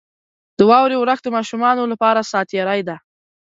• د واورې اورښت د ماشومانو لپاره ساتیري ده.